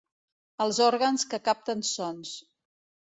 Els òrgans que capten sons.